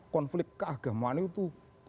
konflik keagamaan itu